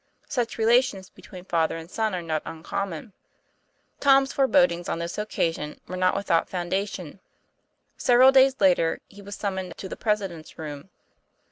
Such relations between father and son are not uncommon. Tom's forebodings on this occasion were not with out foundation. Several days later he was sum moned to the President's room.